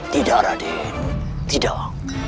tidak raden tidak